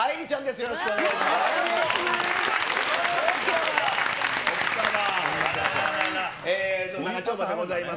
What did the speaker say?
よろしくお願いします。